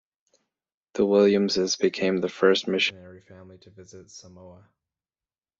The Williamses became the first missionary family to visit Samoa.